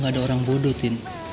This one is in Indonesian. gak ada orang bodoh tin